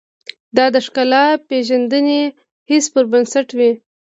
دا د ښکلا پېژندنې حس پر بنسټ وي.